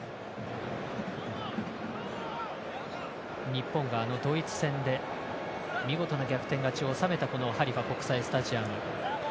日本があのドイツ戦で見事な逆転勝ちを収めたハリファ国際スタジアム。